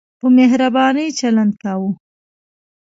په مهربانۍ چلند کاوه.